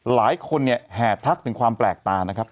หลายคนเนี่ยแห่ทักถึงความแปลกตานะครับ